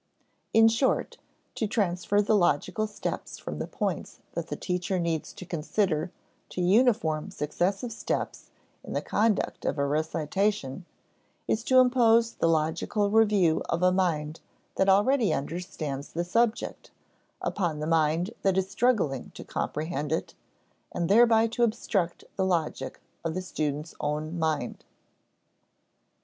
In short, to transfer the logical steps from the points that the teacher needs to consider to uniform successive steps in the conduct of a recitation, is to impose the logical review of a mind that already understands the subject, upon the mind that is struggling to comprehend it, and thereby to obstruct the logic of the student's own mind.